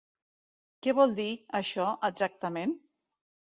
Què vol dir, això, exactament?